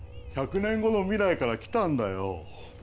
１００年後の未来から来たんだよ。